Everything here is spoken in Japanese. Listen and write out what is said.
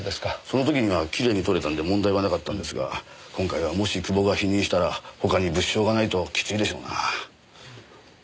その時にはきれいに採れたんで問題はなかったんですが今回はもし久保が否認したら他に物証がないときついでしょうな。